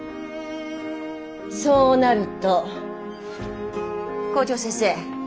そうなると校長先生。